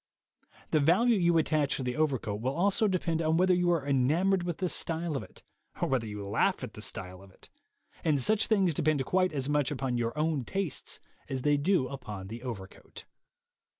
The value you attach to the over coat will also depend upon whether you are enamored with the style of it, or whether you laugh at the style of it; and such things depend quite as much upon your own tastes as they do upon the overcoat.